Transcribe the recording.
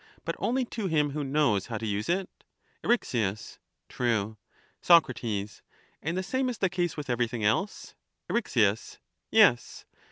but only to him who knows how to use it? Er. x. Tfue. Soc. And the same is the case with everything else? Eryx. Yes.